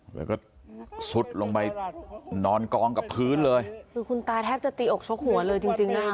แล้วก็ซุดลงไปนอนกองกับพื้นเลยคือคุณตาแทบจะตีอกชกหัวเลยจริงจริงนะคะ